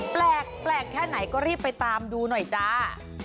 แปลกแค่ไหนก็รีบไปตามดูหน่อยจ้า